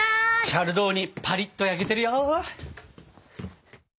チャルドーニパリッと焼けてるよ！